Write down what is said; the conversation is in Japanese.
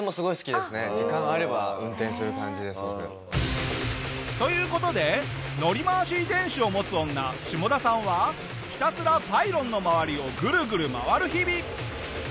時間あれば運転する感じです僕。という事で乗り回し遺伝子を持つ女シモダさんはひたすらパイロンの周りをぐるぐる回る日々。